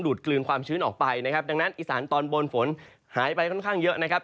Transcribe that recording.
ดกลืนความชื้นออกไปนะครับดังนั้นอีสานตอนบนฝนหายไปค่อนข้างเยอะนะครับ